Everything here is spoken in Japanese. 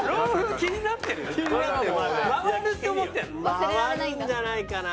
回るんじゃないかな。